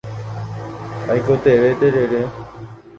Aikotevẽ terere.